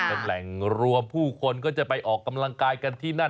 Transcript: เป็นแหล่งรวมผู้คนก็จะไปออกกำลังกายกันที่นั่น